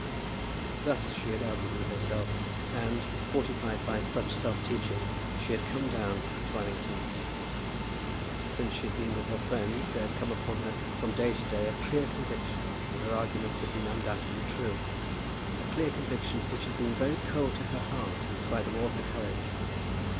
Thus she had argued with herself, and, fortified by such self teachings, she had come down to Allington. Since she had been with her friends there had come upon her from day to day a clear conviction that her arguments had been undoubtedly true, a clear conviction which had been very cold to her heart in spite of all her courage.